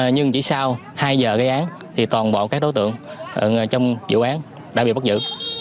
nhưng chỉ sau hai giờ gây án thì toàn bộ các đối tượng trong vụ án đã bị bắt giữ